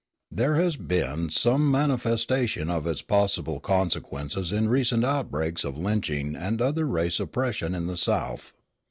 There has been some manifestation of its possible consequences in the recent outbreaks of lynching and other race oppression in the South.